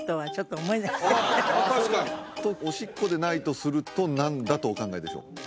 確かにおしっこでないとすると何だとお考えでしょう？